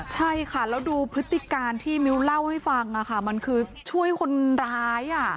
ใช่ค่ะแล้วดูพฤติการที่มิ้วเล่าให้ฟังมันคือช่วยคนร้าย